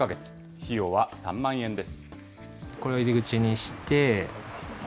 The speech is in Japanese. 費用は３万円です。